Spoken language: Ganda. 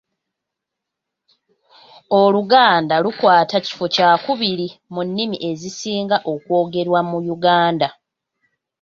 Oluganda lukwata kifo kyakubiri mu nnimi ezisinga okwogerwa mu Yuganda.